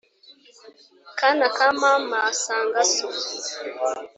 Kana ka mama sanga so